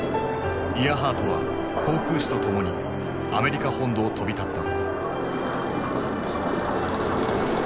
イアハートは航空士とともにアメリカ本土を飛び立った。